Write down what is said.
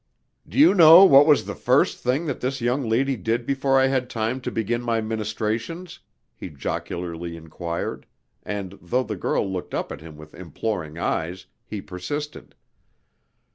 "Do you know what was the first thing that this young lady did before I had time to begin my ministrations?" he jocularly enquired, and though the girl looked up at him with imploring eyes, he persisted.